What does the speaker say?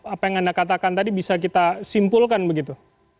apa yang anda katakan tadi bisa kita simpulkan begitu